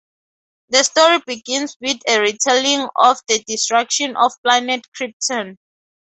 The story begins with a retelling of the destruction of planet Krypton.